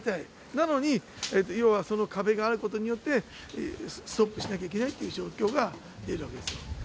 なのに、要はその壁があることによって、ストップしなきゃいけないという状況が出るわけですよ。